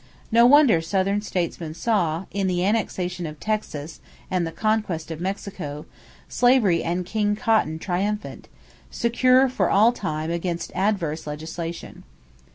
No wonder Southern statesmen saw, in the annexation of Texas and the conquest of Mexico, slavery and King Cotton triumphant secure for all time against adverse legislation.